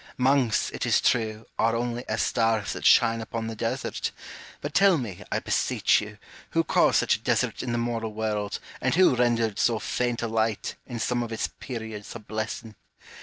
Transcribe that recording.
Monks, it is true, are only as stars that shine upon the desert ; but tell me, I beseech you, who caused such a desert in the moral world, and who rendered so faint a light, in some of its periods, a blessing